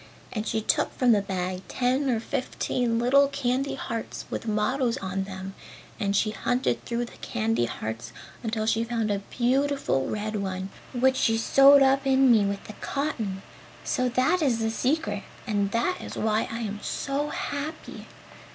And she took from the bag ten or fifteen little candy hearts with mottos on them and she hunted through the candy hearts until she found a beautiful red one which she sewed up in me with the cotton! So that is the secret, and that is why I am so happy!